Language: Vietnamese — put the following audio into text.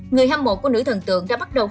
người hâm mộ của nữ thần tượng đã bắt đầu